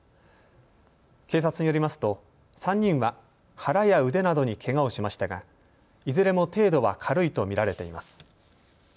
警察によりますと３人は腹や腕などにけがをしましたがいずれも程度は軽いとみられています。